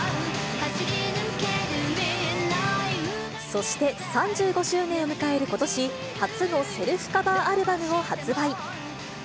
そして、３５周年を迎えることし、初のセルフカバーアルバムを発売。